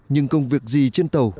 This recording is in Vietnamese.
nhưng công việc gì trên tàu